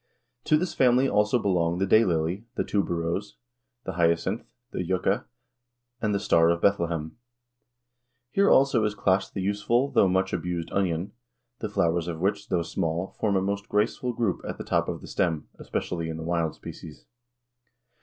To this family also belong the day lily, the tuberose, the hyacinth, the yucca, and the star of Bethlehem. Here also is classed the useful though much abused onion, the flowers of which, though small, form a most graceful group at the top of the stem, especially in the wild species.